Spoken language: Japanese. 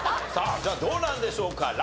さあではどうなんでしょうか？